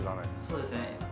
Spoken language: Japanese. そうですね。